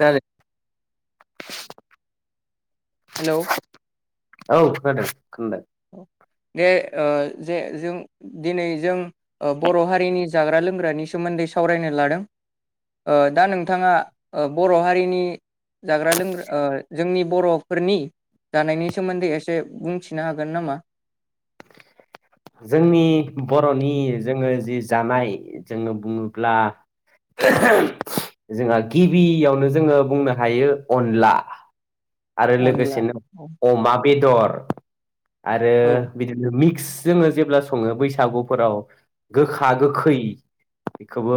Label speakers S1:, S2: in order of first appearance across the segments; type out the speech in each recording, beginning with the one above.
S1: जारि [inaudible]
S2: हेलौ
S1: [unintelligible]
S2: दे [unintelligible] ओ जे जों दिनै जों ओ बर हारिनि जाग्रा लोंग्रानि सोमोन्दै सावरायनो लादों ओ दा नोंथाङा ओ बर हारिनि जाग्रा लोंग्रा ओ जोंनि बरफोरनि जानायनि सोमोन्दै एसे बुंथिनो हा गोन नामा
S1: जोंनि बरनि जोङो जि जानाय जोङो बुङोब्ला जोंहा गिबियावनो जोङो बुंनो हायो अनला आरो
S2: अनला
S1: लोगोसेनो
S2: औ
S1: अमा बेदर [inaudible] आरो
S2: औ
S1: बिदिनो मिक क्स जोङो जेब्ला सङो बैसागुफोराव गोखा गोखै बेखौबो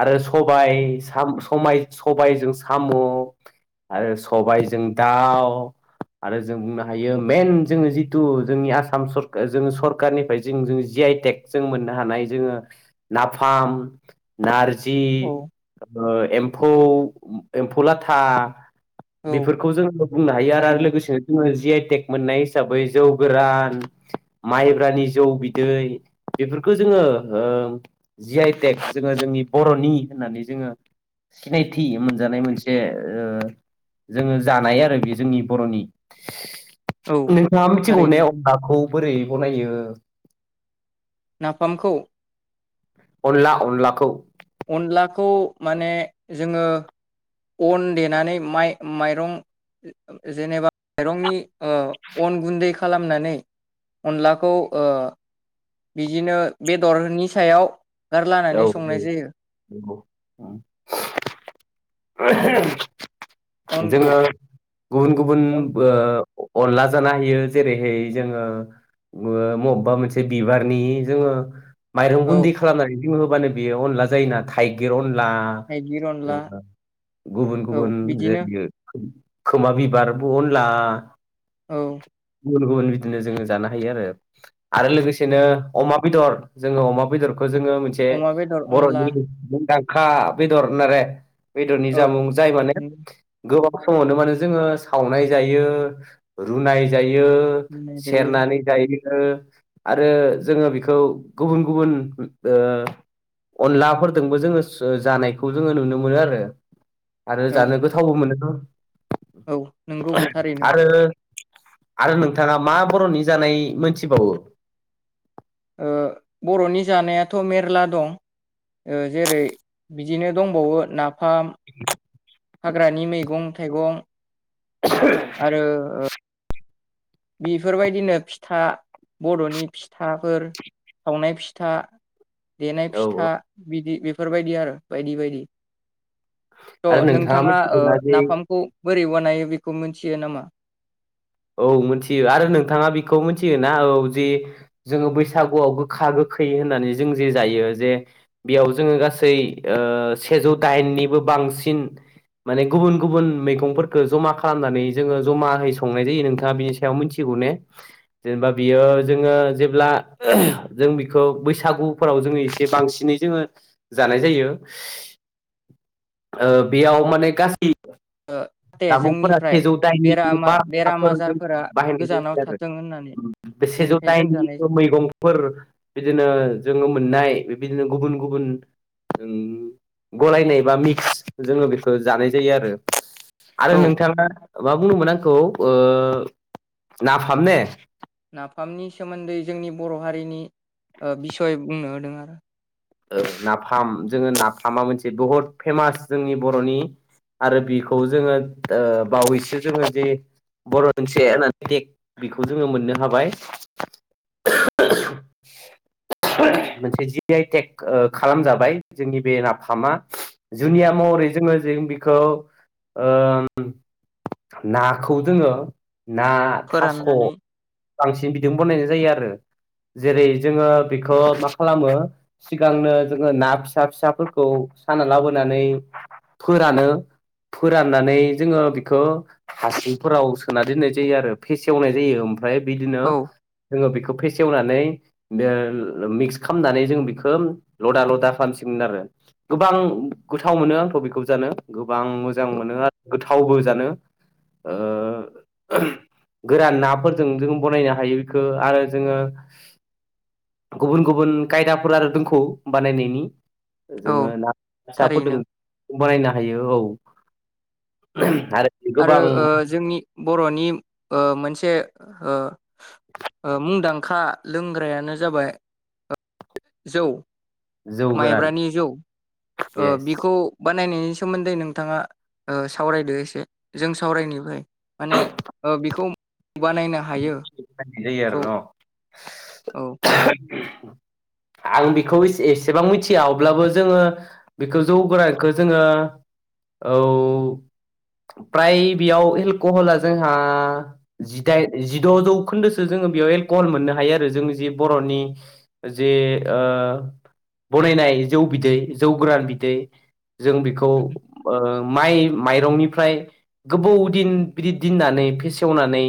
S1: आरो सबाय साम हमाय सबायजों साम आरो सबायजों दाउ आरो जों बुंनो हायो मेन जोङो जिथु जोंनि आसाम सर जों सरखारनिफ्राय जों-जों जि आइ टेक जों मोननो हानाय जोङो नाफाम नार जि ओ एम्फौ एम्फौ लाथा
S2: औ
S1: बेफोरखौ जोङो बुंनो हायो आरो
S2: थारैनो
S1: लोगोसेनो जोङो जि आइटेक मोननाय हिसाबै जौ गोरान माइब्रानि जौ बिदै बेफोरखौ जोङो ओ जि आइटेक जोङो जोंनि बरनि होननानै जोङो सिनायथि मोनजानाय मोनसे ओ जोङो जानाय आरो बे जोंनि बरनि
S2: औ
S1: नोंथाङा मिथिगौ ने
S2: थारैनो
S1: अनलाखौ बोरै बनायो
S2: नाफामखौ
S1: अनला अनलाखौ
S2: अनलाखौ माने जोङो अन देनानै माइ माइरं जेनेबा माइरंनि ओ अन गुन्दै खालामनानै अनलाखौ ओ बिदिनो बेदरनि सायाव गारलानानै संनाय जायो
S1: औ [unintelligible]
S2: अनखौ
S1: जोङो गुबुन गुबुन
S2: अन
S1: ओ अनला जानो हायो जेरैहाय जोङो ओ बबेबा मोनसे बिबारनि जोङो माइरं
S2: औ
S1: गुन्दि खालामनानै [unintelligible] बानो बेयो अनला जायो ना थाइगिर अन ला
S2: थाइगिर अनला
S1: जोंहा गुबुन
S2: औ
S1: गुबुन
S2: बिदिनो
S1: जेरैयै खोमा बिबारबो अनला
S2: औ
S1: गुबुन गुबुन बिदिनो जोङो जानो हायो आरो आरो लोगोसेनो अमा बेदर जोङो अमा बेदरखौ जोङो जे
S2: अमा बेदर अनला
S1: बरनि मुंदां खा बेदर होनोरे बेदरनि
S2: औ
S1: जामुं जाय माने गोबां समावनो मानो जोङो सावनाय जायो, रुनाय जायो,
S2: बुंनाय जायो
S1: सेरनानै जायो, आरो जोङो बेखौ गुबुन गुबुन ओ अनलाफोरजोंबो जोङो जानायखौ जोङो नुनो मोनो आरो। आरो
S2: औ
S1: जानो गोथावबो मोनो न'?
S2: औ नंगौ थारैनो।
S1: आरो आरो नोंथाङा मा बर'नि जानाय मोनथिबावो?
S2: ओ बर'नि जानायाथ' मेरला दं। ओ जेरै बिदिनो दंबावो नाफाम,
S1: [unintelligible]
S2: हाग्रानि मैगं थाइगं,
S1: [unintelligible]
S2: आरो बेफोरबायदिनो फिथा बर'नि फिथाफोर, सावनाय फिथा, देनाय
S1: औ
S2: फिथा,
S1: औ
S2: बिदि बे फोरबायदि आरो बायदि बायदि।
S1: आरो
S2: थ' नोंथाङा ओ
S1: मिथिगौना जे
S2: नाफामखौ बोरै बानायो बेखौ मिथियो नामा?
S1: औ मिथियो‌। आरो नोंथाङा बेखौ मिथियो ना औ जे जोङो बैसागुआव गोखा गोखै होननानै जों जे जायो जे बेयाव जोङो गासै ओ सेजौ दाइननिबो बांसिन माने गुबुन गुबुन मैगंफोरखौ जमा खालामनानै जोङो जमाहै सं नाय जायो नोंथाङा बिनि सायाव मिथिगौ ने? जेनेबा बियो जोङो जेब्ला जों बिखौ बैसागुफोराव जोङो एसे बांसिनै जोङो जानाय जायो। ओ बेयाव माने गासै
S2: जाहाथे
S1: जामुंफोरा
S2: जोंनिफ्राय
S1: सेजौ दाइननि
S2: बेरामा
S1: बारा
S2: बेराम
S1: हाफोर जों
S2: आजारफोरा
S1: बाहायनाय
S2: गोजानाव
S1: जायो आरोप।
S2: थाथों होननानै
S1: उम बे सेजौ
S2: बेनिखाय जों
S1: दाइननि
S2: जानाय
S1: मैगंफोर बिदिनो जोङो मोननाय बे दिनो गुबुन गुबुन गलायनाय बा मिक्स जोङो बेखौ जानाय जायो आरो। आरो
S2: औ
S1: नोंथाङा मा बुंदोंमोन आंखौ ओ नाफाम ने?
S2: नाफामनि सोमोन्दै जोंनि बर' हारिनि बिसय बुंनो होदों आरो
S1: नाफाम जोङो नाफामा मोनसे बुहुत फेमास जोंनि बर'नि आरो बिखौ जोङो बावैसो जोङो जे बर' मोनसे होननानैक बेखौ जोङो मोननो हाबाय मोनसे जि आइ टेक खालामजाबाय जोंनि बे नाफामा जुनिया महरै जोङो जों बिखौ नाखौ जोङो ना थास'
S2: फोराननानै
S1: बांसिन बिदिनो बानायनाय जायो आरो जेरै जोङो बेखौ बेखौ मा खालामो सिगांनो जोङो ना फिसा फिसाफोरखौ साना लाबोनानै फोरानो फोराननानै जोङो बिखौ हासंफोराव सोना दोननाय जायो आरो फेसेवनाय जायो ओमफ्राय बिदिनो
S2: औ
S1: जोङो बेखौ थमफै सेवनानै बे मिक्स खालामनानै जो ङो बेखौ लदा लदा खालामसिगोन आरो गोबां गोथाव मोनो आंथ' बेखौ जानो गोबां मोजां मोनो आरो गोथावबो जानो गोरान नाफोरजों जों बनायनो हायो बेखौो आरो जोङो गुबुन गुबुन खायदाफोर आरो दंखौ बानायनायनि
S2: औ
S1: जोङो ना फिसा फोदों
S2: थारैनो
S1: बानायनो हायो औ
S2: औ आरो जोंनि बर'नि मोनसे मुंदांखा लोंग्रायानो जाबाय जौ
S1: जौ गोरान
S2: माइब्रानि जौ
S1: येस
S2: बिखौ नायनायनि सोमोन्दै नोंथांङा सावरायदो एसे जों सावरायनायनिफ्राय माने बेखौ बानायनो हायो
S1: जायो आरो
S2: खौ
S1: न'
S2: औ
S1: [unintelligible] आं बेखौ एसेबां मिथिया अब्लाबो जोंङो बेखौ जौगोरानायखौ जोंङो औ फ्राय बेयाव एलकहला जोंहा जि द जिद जौखोन्दोसो जोंङो बेयाव एलकहल मोननो हायो आरो जोंनि जे बरनि जे बनायनाय जौ बिदै जौ गोरान बिदै जों बिखौ माइ माइरंनिफ्राय गोबौ दिन बिदि दोननानै फेसेवनानै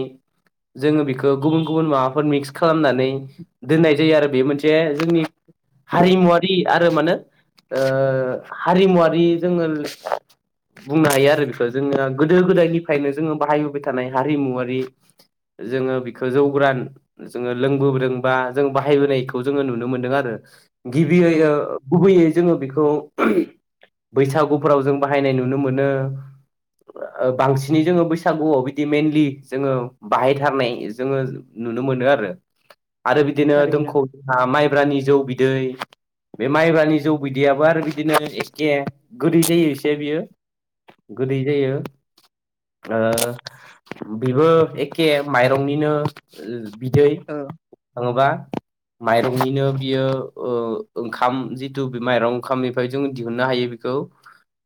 S1: जोंङो बेखौ गुबुन गुबुन माबाफोर मिक्स खालामनानै दोननाय जायो आरो बे मोनसे जोंनि हारिमुवारि आरो म होने हारिमुवारि जोङो बुंनो हायो आरो बेखौ जोंङो गोदो गोदायनिफ्रायनो जोंङो बाहायबोबाय थानाय हारिमुवारि जोंङो बिखौ जौगोरान जोंङो लोंबोबोदों बा जों बाहायबोनायखौ जोंङो नुनो मोनदों आरो गिबियै
S2: औ
S1: गुबैयै जोंङो बेखौ बेखौ बैसागुफोराव जों बाहायनाय नुनो मोनो बांसिनै जोंङो बैसागुआव बिदि मइेनलि जोंङो बाहायथारनाय जोंङो नुनो मोनो आरो आरो बिदिनो
S2: थारैनो
S1: दोंखौ जोंहा माइब्रानि जौ बिदै बे माइब्रानि जौ बिदैयाबो आरो बिदिनो एखे जायोसे बेयो गोदै जायो ओ बेबो एके माइरंनिनो बिदै
S2: ओ
S1: थांङोबा माइरंनिनो बियो ओंखाम जिथु माइरं ओंखामनिफ्राय जों दिहुननो हायो बेखौ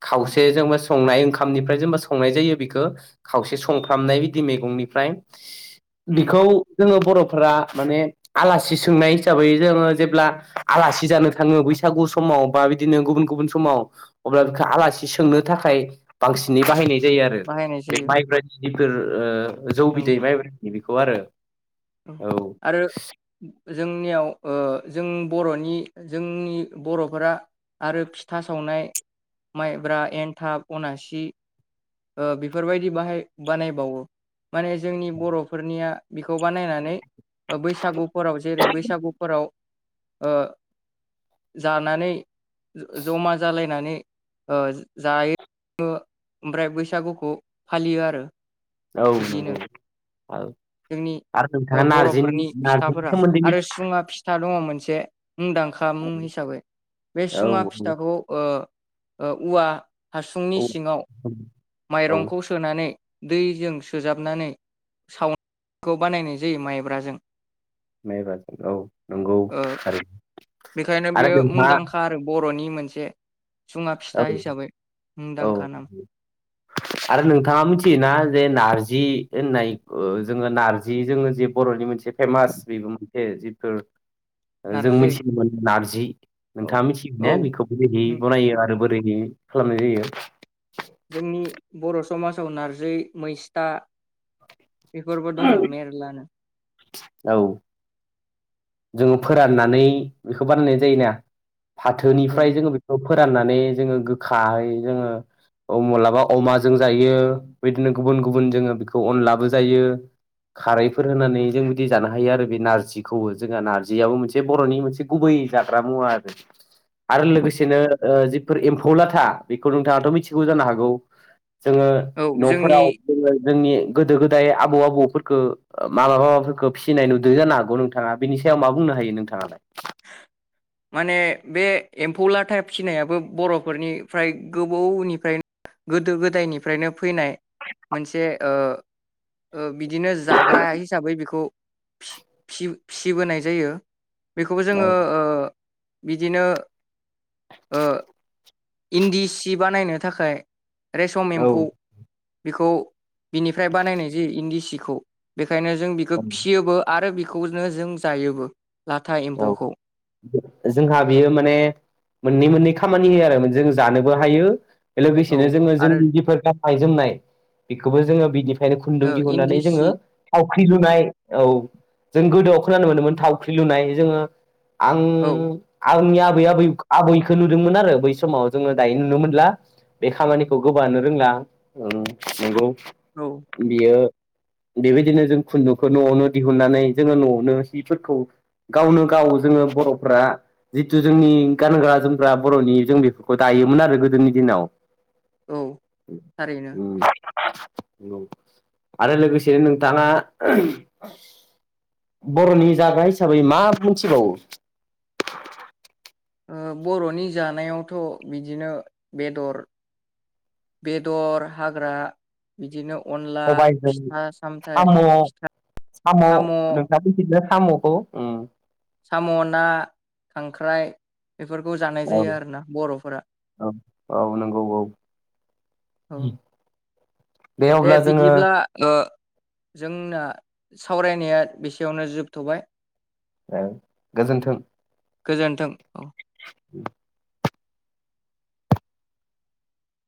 S1: खावसे जेनबा संनाय ओंखामनिफ्राय जेनबा संनाय जायो बेखौ खावसे संफ्रामनाय बिदि मैगंनिफ्राय
S2: उम
S1: बिखौ जोंङो बरफोरा माने आलासि सोंनाय हिसाबै जोंङो जेब्ला आलासि जानो थांङो बैसागु समाव बा बिदिनो गुबुन गुबुन समाव अब्ला बेखौ आलासि सोंनो थाखाय बांसिनै बाहायनाय जायो आरो
S2: बाहायनाय जायो
S1: [unintelligible] जौ
S2: औ
S1: मायब्रानि बिखौ आरो औ
S2: आरो जोंनियाव ओ जों बरनि जोंनि बरफोरा आरो फिथा सावनाय माइब्रा‌ एन्थाब अनासि ओ बेफोरबायदि बाहाय बानायबावो माने जोंनि बरफोरनिया बेखौ बानायनानै ओ बैसागुफोराव जेरै बैसागुफोराव ओ जानानै जमा जालायनानै ओ जायो ओमफ्राय बैसागुखौ फालियो आरो
S1: औ
S2: बिदिनो
S1: नंगौ औ
S2: जोंनि
S1: आर
S2: ओ बरफोरनि फिथाफोरा आरो सुंङा फिथा था दंङ मोनसे मुंदांखा मुं हिसाबै बे
S1: औ
S2: सुंङा फिथाखौ ओ ओ उवा हासुंनि
S1: औ
S2: सिंङाव
S1: औ
S2: माइरंखौ सोनानै दैजों सोजाबनानै सावनायखौ बानायनाय जायो माइब्राजों
S1: माइब्राजों औ नंगौ
S2: ओ
S1: थारैनो
S2: बेखायनो
S1: आरो
S2: बेयो
S1: नोंहा
S2: मुंदांखा आरो बर'नि मोनसे सुङा
S1: औ
S2: फिथा हिसाबै मुंदांखा
S1: औ
S2: नाम
S1: आरो नोंथाङा मिथियोना जे नारज जि होननाय ओ जोंङो नारजि जोंङो जे बर'नि मोनसे फेमास बेबो मोनसे जिफोर ओ जों
S2: नारजि
S1: मिथियोमोन नारजि
S2: औ
S1: नोंथाङा मिथियोगो
S2: औ
S1: ने बेखौबो बेबादि जायो आरो बोरै खालामनाय जायो?
S2: जोंनि बर' समाजाव नारजि मैस्था बेफोरबो दङ मेरलानो
S1: औ जोङो फोराननानै बेखौ बानायनाय जायोना?
S2: औ
S1: फाथोनिफ्राय जोङो बेखौ फोराननानै जोङो गोखायै जोङो अ माब्लाबा अमाजों जायो बिदिनो गुबुन गुबुन जोङो बेखौ अनलाबो जायो खारैफोर होनानै जों बिदि जानो हायो आरो बे नारजिखौबो । जोंहा नारजियाबो मोनसे बर'नि मोनसे गुबै जाग्रा मुवा आरो आरो लोगोसेनो ओ जिफोर एम्फौ लाथा बेखौ नोंथाङाथ' मिथिगौ जानो हागौ जोङो
S2: औ जोंनि
S1: न'फोराव जोङो जोंनि गोदो गोदाय आबौ आबौफोरखो माबा माबाफोरखौ फिसिनाय नुदों जानो हागौ नोंथा थाङा बेनि सायाव मा बुंनो हायो नोंथाङालाय?
S2: माने बे एम्फौ लाथायब फिनायाबो बर'फोरनिफ्राय गोबौनिफ्रायनो गोदो गोदायनिफ्रायनो फैनाय मोनसे ओ ओ बिदिनो जाग्रा हिसाबै बेखौ फि फिय फिसिबोनाय जायो । बेखौबो
S1: औ
S2: जोङो ओ बिदिनो ओ इन्दि सिबानायनो थाखाय रेसम एम्फौ
S1: औ
S2: बेखौ बिनिफ्राय बानायनाय जायो इन्दि सि बेखौ ओंखायनो जों बिखौ फिसियोबो आरो बेखौनो जों जायोबो राजा
S1: औ
S2: इमफौखौ
S1: जोंहा बियो माने मोननै मोननै खामानि होयो आरो जों जानोबो हायो
S2: औ
S1: लोगोसेनो जोंङो
S2: आरो
S1: जोंनि जिफोर ग गनाय जोमनाय बेखौबो जोङो बिदि बे खुन्दुं
S2: ओ
S1: दिहुननानै
S2: इन्दि सि
S1: जोङो थावख्रि लुनाय औ जों गोदोआव खोनानो मोनोमोन थावख्रि लुनाय जोङो आं
S2: औ
S1: आंनिया आबै आब आबैखौ नुदोंमोन आरो बै समाव जोङो दायो नुनो मोनला बे खामानिखौ गोबानो रोंला नंगौ
S2: औ
S1: बियो बेबायदिनो जों खुन्दुंखौ न'आवनो दिहुननानै जोङो न'आवनो हिफोरखौ गावनो गाव जोङो बर'फ्रा जिथु जोंनि गानग्रा जोमग्रा बर'नि जों बेफोरखौ दायोमोन आरो गोदोनि दिनाव
S2: औ थारैनो।
S1: औ आरो लोगोसेनो नोंथाङा बर'नि जाबाय हिसाबै मा मिथिबावो?
S2: बर'नि जानायावथ' बिदिनो बेदर बेदर हाग्रा बिदिनो अनला
S1: सबायाइजों
S2: फिथा सामथाइ
S1: साम' साम' नोंसा बेदिनो साम'खौ
S2: साम' ना खांख्राइ बेफोरखौ जानाय
S1: औ
S2: जायो आरोना बर'फोरा
S1: औ औ नंगौ औ
S2: औ दे
S1: अब्ला जोङो
S2: बिदिब्ला--ओ जोंना सावरायनाया बेसेयावनो जोबथ'बाय।
S1: ए गोजोन्थों।
S2: गोजोन्थों औ
S1: [unintelligible]